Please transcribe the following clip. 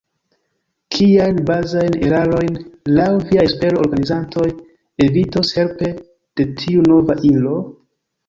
Kiajn bazajn erarojn, laŭ via espero, organizantoj evitos helpe de tiu nova ilo?